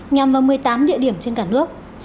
nhằm vào một mươi tám địa điểm trên cả nước